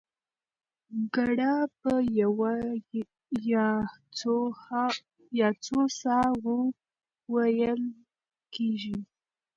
ګړه په یوه یا څو ساه وو وېل کېږي.